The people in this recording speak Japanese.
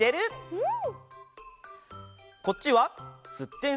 うん！